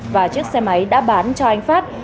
và chiếc xe máy đã bán cho anh phát